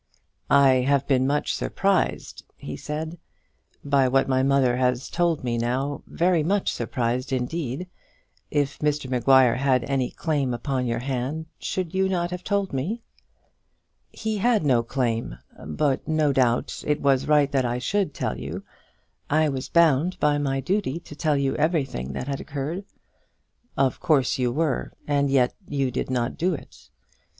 "I have been much surprised," he said, "by what my mother has now told me, very much surprised indeed. If Mr Maguire had any claim upon your hand, should you not have told me?" "He had no claim; but no doubt it was right that I should tell you. I was bound by my duty to tell you everything that had occurred." "Of course you were and yet you did not do it."